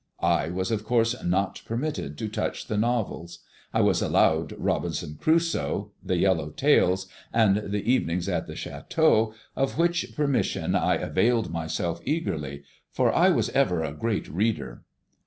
I was of course not permitted to touch the novels. I was allowed "Robinson Crusoe," "The Yellow Tales," and "The Evenings at the Château," of which permission I availed myself eagerly, for I was ever a great reader.